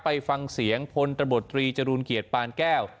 ไปฟังเสียงพลตบตรีจรูลเกียรติปานแก้ว